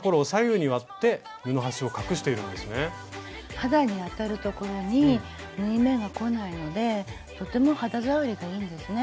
肌に当たる所に縫い目がこないのでとても肌触りがいいんですね。